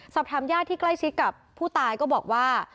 สอบถามญาติที่ใกล้ชิดกับผู้ตายก็บอกว่า